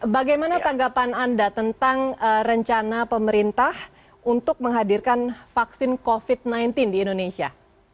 bagaimana tanggapan anda tentang rencana pemerintah untuk menghadirkan vaksin covid sembilan belas di indonesia